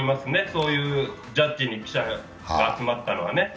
そういうジャッジに記者が集まったのは。